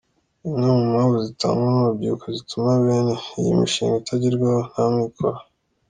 Imwe mu mpamvu zitangwa n’urubyiruko zituma bene iyi mishinga itagerwaho ni amikoro.